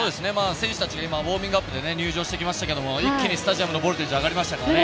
選手たちが今ウォーミングアップで入場してきましたが一気にスタジアムのボルテージ上がりましたからね。